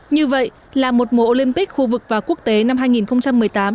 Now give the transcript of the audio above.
như vậy là một mùa olympic khu vực và quốc tế năm hai nghìn một mươi tám